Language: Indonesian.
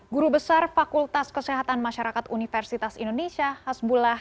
guru besar fakultas kesehatan masyarakat universitas indonesia hasbullah